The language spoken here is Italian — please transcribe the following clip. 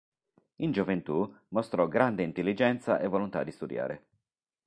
In gioventù, mostrò grande intelligenza e volontà di studiare.